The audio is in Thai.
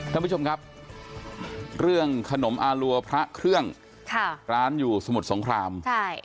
ท่านผู้ชมครับเรื่องขนมอารัวพระเครื่องร้านอยู่สมุทรสงคราม